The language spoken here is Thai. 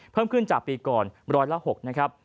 เพิ่มขึ้นจากปีก่อนร้อยละ๖นะครับ